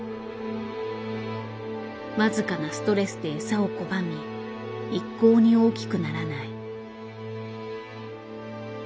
僅かなストレスで餌を拒み一向に大きくならない。